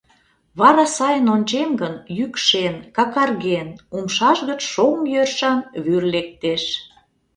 Вара сайын ончем гын, йӱкшен, какарген, умшаж гыч шоҥ йӧршан вӱр лектеш.